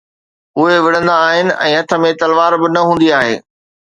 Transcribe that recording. اهي وڙهندا آهن ۽ هٿ ۾ تلوار به نه هوندي آهي